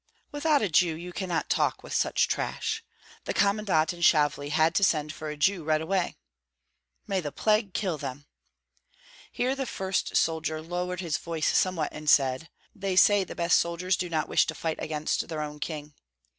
"Without a Jew you cannot talk with such trash. The commandant in Shavli had to send for a Jew right away." "May the plague kill them!" Here the first soldier lowered his voice somewhat and said, "They say the best soldiers do not wish to fight against their own king."